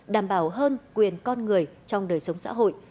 đảm bảo hơn quyền con người trong đời sống xã hội